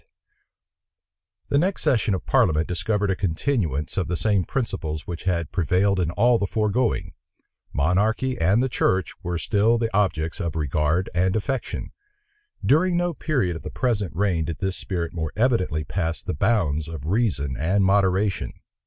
} The next session of parliament discovered a continuance of the same principles which had prevailed in all the foregoing. Monarchy and the church were still the objects of regard and affection. During no period of the present reign did this spirit more evidently pass the bounds of reason and moderation.